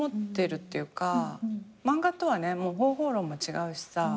漫画とはね方法論も違うしさ。